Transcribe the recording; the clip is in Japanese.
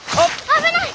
危ない！